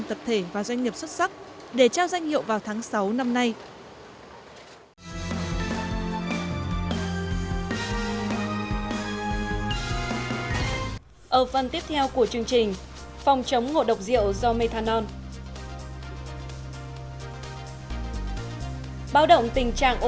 tập thể và doanh nghiệp xuất sắc để trao danh hiệu vào tháng sáu năm nay